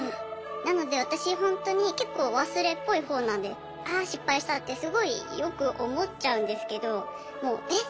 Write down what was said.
なので私ほんとに結構忘れっぽい方なんであ失敗したってすごいよく思っちゃうんですけどえっ